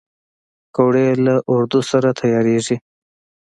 پکورې له آردو سره تیارېږي